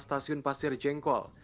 stasiun pasir jengkol